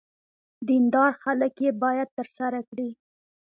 دیندار خلک یې باید ترسره کړي.